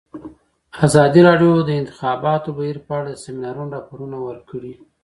ازادي راډیو د د انتخاباتو بهیر په اړه د سیمینارونو راپورونه ورکړي.